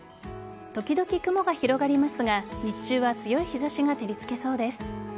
時々、雲が広がりますが日中は強い日差しが照りつけそうです。